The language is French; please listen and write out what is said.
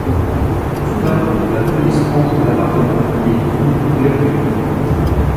Soudain, la police entre l’appartement et trouve l’héroïne.